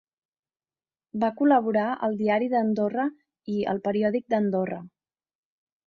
Va col·laborar al Diari d'Andorra i El Periòdic d'Andorra.